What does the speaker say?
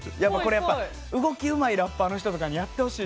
やっぱ動きうまいラッパーの人とかにやってほしいな。